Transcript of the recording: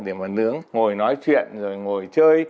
để mà nướng ngồi nói chuyện ngồi chơi